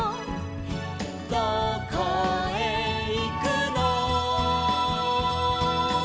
「どこへいくの」